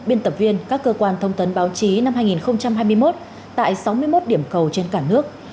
biên tập viên các cơ quan thông tấn báo chí năm hai nghìn hai mươi một tại sáu mươi một điểm cầu trên cả nước